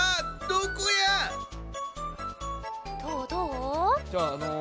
どう？